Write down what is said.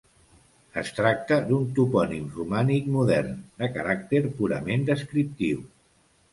Es tracta d'un topònim romànic modern, de caràcter purament descriptiu.